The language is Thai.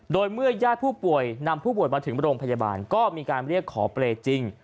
โดยเมื่อญาติผู้ป่วยนำผู้ป่วยมาถึงโรงพยาบาลก็มีการเรียกขอเปรย์จริง